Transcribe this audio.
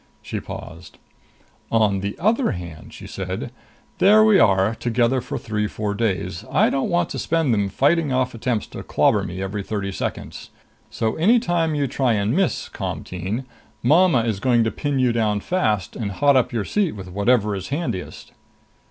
She paused. "On the other hand," she said, "there we are together for three four days. I don't want to spend them fighting off attempts to clobber me every thirty seconds. So any time you try and miss, Comteen, mama is going to pin you down fast, and hot up your seat with whatever is handiest."